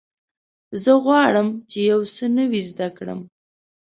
زه غواړم چې یو څه نوی زده کړم.